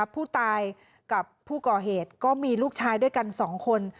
ผู้ตายกับผู้ก่อเหตุก็มีลูกชายด้วยกัน๒คน